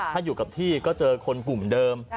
ถ้าอยู่กับที่ก็เจอคนกลุ่มเดิม